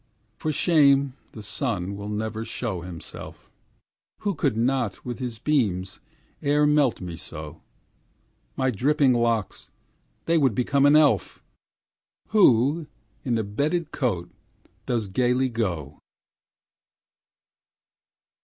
For shame the sun will never show himself, Who could not with his beams e'er melt me so; My dripping locks they would become an elf, Who in a beaded coat does gayly go.